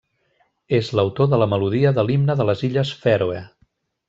És l'autor de la melodia de l'himne de les Illes Fèroe.